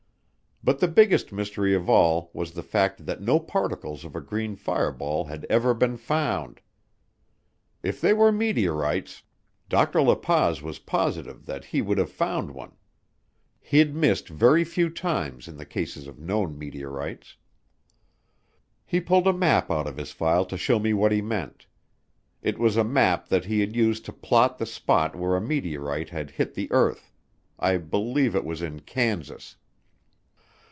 But the biggest mystery of all was the fact that no particles of a green fireball had ever been found. If they were meteorites, Dr. La Paz was positive that he would have found one. He'd missed very few times in the cases of known meteorites. He pulled a map out of his file to show me what he meant. It was a map that he had used to plot the spot where a meteorite had hit the earth. I believe it was in Kansas.